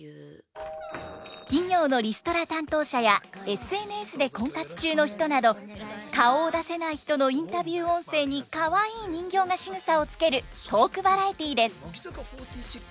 企業のリストラ担当者やＳＮＳで婚活中の人など顔を出せない人のインタビュー音声にかわいい人形がしぐさをつけるトークバラエティーです。